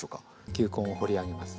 球根を掘り上げます。